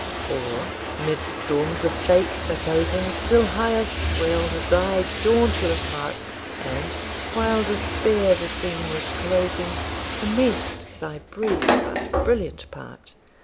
for, 'mid storms of Fate opposing, Still higher swell'd thy dauntless heart, And, while Despair the scene was closing, Commenced thy brief but brilliant part.